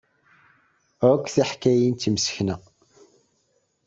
Akk tiḥkayin d timsekna.